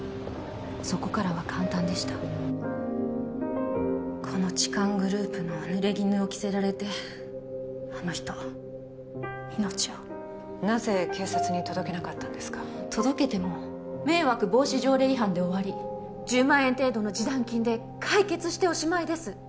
そこからは簡単でしたこの痴漢グループのぬれぎぬを着せられてあの人は命をなぜ警察に届けなかったんですか届けても迷惑防止条例違反で終わり１０万円程度の示談金で解決しておしまいです